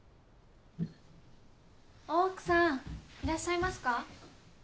・大奥さんいらっしゃいますか？